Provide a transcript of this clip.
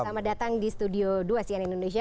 selamat datang di studio dua cnn indonesia